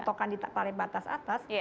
di tentukan di tarif batas atas